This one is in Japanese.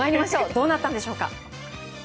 どうなったんでしょうか。